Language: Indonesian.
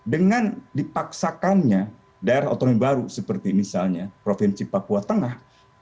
dengan dipaksakannya daerah otonomi baru seperti misalnya provinsi papua tengah